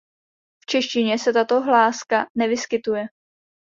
V češtině se tato hláska nevyskytuje.